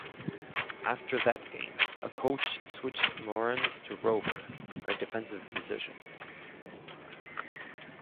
After that game, a coach switched Morenz to rover, a defensive position.